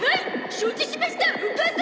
承知しましたお母様！